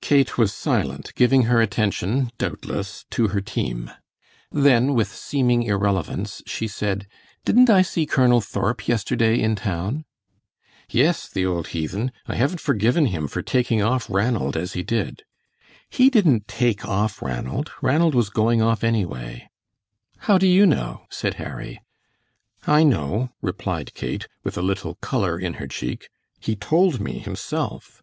Kate was silent, giving her attention doubtless to her team. Then, with seeming irrelevance, she said: "Didn't I see Colonel Thorp yesterday in town?" "Yes, the old heathen! I haven't forgiven him for taking off Ranald as he did." "He didn't take off Ranald. Ranald was going off anyway." "How do you know?" said Harry. "I know," replied Kate, with a little color in her cheek. "He told me himself."